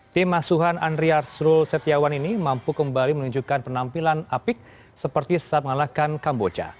tim masuhan andriarsrul setiawan ini mampu kembali menunjukkan penampilan apik seperti setelah mengalahkan kamboja